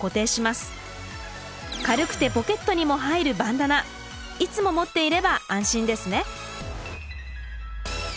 軽くてポケットにも入るバンダナいつも持っていれば安心ですね。